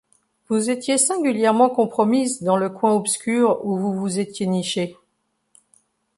Vous étiez singulièrement compromise dans le coin obscur où vous vous étiez nichée.